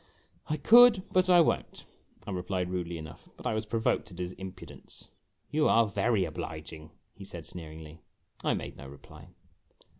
" I could, but I won't," I replied, rudely enough ; but I was pro voked at his impudence. 8o IMAGINOTIONS "You are very obliging," he said, sneeringly. I made no reply.